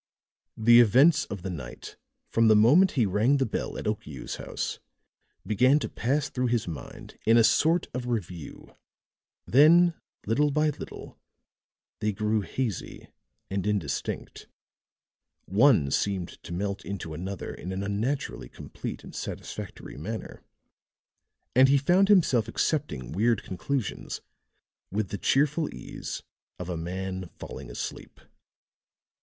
The events of the night, from the moment he rang the bell at Okiu's house, began to pass through his mind in a sort of review; then, little by little, they grew hazy and indistinct; one seemed to melt into another in an unnaturally complete and satisfactory manner, and he found himself accepting weird conclusions with the cheerful ease of a man falling asleep.